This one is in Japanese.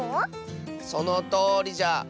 そのとおりじゃ。